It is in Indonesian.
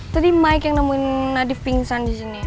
tadi mike yang nemuin nadif pingsan di sini